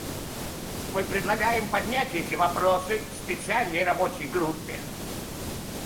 Мы предлагаем поднять эти вопросы в Специальной рабочей группе.